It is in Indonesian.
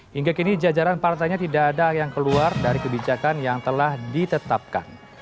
hingga kini jajaran partainya tidak ada yang keluar dari kebijakan yang telah ditetapkan